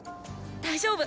大丈夫！